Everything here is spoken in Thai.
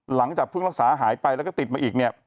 หลังจากเพิ่งรักษาหายไปแล้วก็ติดมาอีกเนี่ย